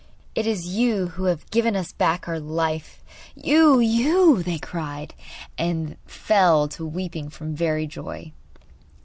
'It is you who have given us back our life; you, you!' they cried; and fell to weeping from very joy.